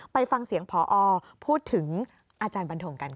ไปฟังเสียงพอพูดถึงอาจารย์บันทงกันค่ะ